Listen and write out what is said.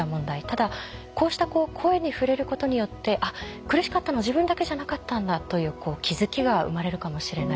ただこうした声に触れることによって「あっ苦しかったのは自分だけじゃなかったんだ」という気付きが生まれるかもしれない。